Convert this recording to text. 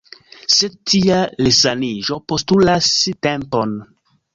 Sed tia resaniĝo postulas tempon.